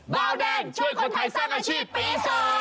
เบาแดงช่วยคนไทยสร้างอาชีพปี๒